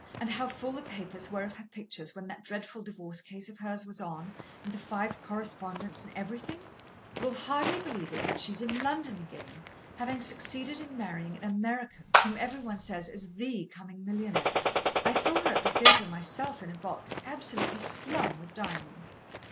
and how full the papers were of her pictures, when that dreadful divorce case of hers was on, and the five co respondents and everything? You'll hardly believe it, but she's in London again, having succeeded in marrying an American whom every one says is the coming millionaire. I saw her at the theatre myself, in a box, absolutely slung with diamonds.